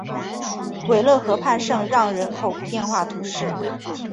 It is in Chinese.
韦勒河畔圣让人口变化图示